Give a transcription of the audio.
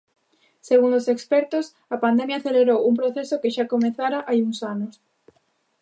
Segundo os expertos, a pandemia acelerou un proceso que xa comezara hai uns anos.